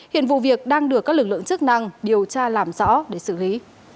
hiện vụ việc đang được các lực lượng chức năng điều tra làm rõ để xử lý